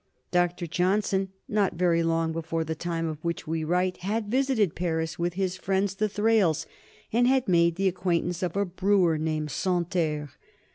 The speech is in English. Dr. Johnson, not very long before the time of which we write, had visited Paris with his friends the Thrales, and had made the acquaintance of a brewer named Santerre.